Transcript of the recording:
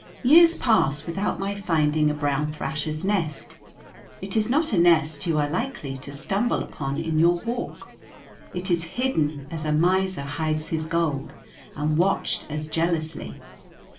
Years pass without my finding a brown thrasher's nest; it is not a nest you are likely to stumble upon in your walk; it is hidden as a miser hides his gold, and watched as jealously.